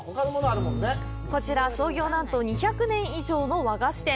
こちら、創業なんと２００年以上の和菓子店。